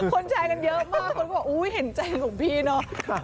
คนแชรค์กันเยอะมากคนเขาบอกเห็นใจของพี่เนาะ